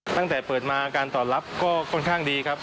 ตั้งแต่เปิดมาการตอบรับก็ค่อนข้างดีครับ